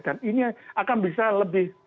dan ini akan bisa lebih